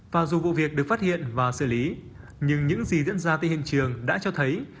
và dù vụ việc được phát hiện và xử lý nhưng những gì diễn ra tại hiện trường đã cho thấy